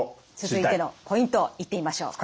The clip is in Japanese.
続いてのポイントいってみましょう。